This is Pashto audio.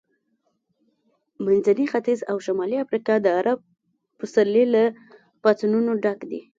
منځنی ختیځ او شمالي افریقا د عرب پسرلي له پاڅونونو ډک دي.